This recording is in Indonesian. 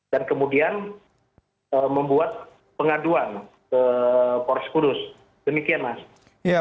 dan kemudian membuat pengaduan ke polres kudus demikian mas